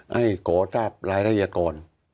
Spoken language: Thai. ให้ขอทราบรายละเอียดก่อน